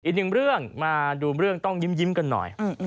อีกหนึ่งเรื่องมาดูเรื่องต้องยิ้มกันหน่อย